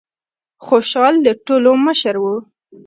خوشال د ټولو مشر و.